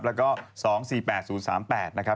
แล้วก็๒๔๘๐๓๘นะครับ